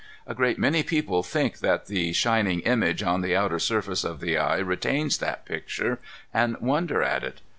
A great many people think that the shining image on the outer surface of the eye retains that picture, and wonder at it.